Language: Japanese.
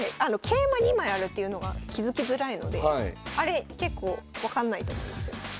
桂馬２枚あるっていうのが気付きづらいのであれ結構分かんないと思いますよ。